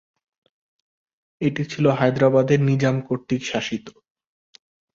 এটি ছিল হায়দরাবাদের নিজাম কর্তৃক শাসিত।